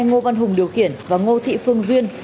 ngô văn hùng điều khiển và ngô thị phương duyên